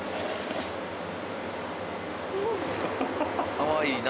かわいいな。